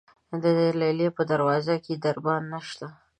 د لیلې په دروازه کې دربان نشته.